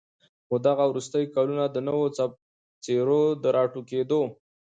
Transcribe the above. خو دغه وروستي كلونه د نوو څېرو د راټوكېدو